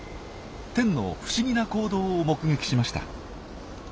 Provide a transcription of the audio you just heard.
テンの不思議な行動を目撃しました。